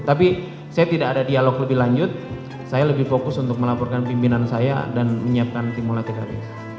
tapi saya tidak ada dialog lebih lanjut saya lebih fokus untuk melaporkan pimpinan saya dan menyiapkan timola tkp